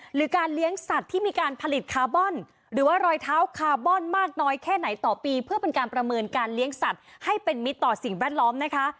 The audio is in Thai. หรือการเลี้ยงสัตว์ที่มีการผลิตคาร์บอนหรือว่ารอยเท้าคาร์บอนมากน้อยแค่ไหนต่อปีเพื่อเป็นการประเมินการเลี้ยงสัตว์ให้เป็นมิตรต่อสิ่งแวดล้อมนะคะ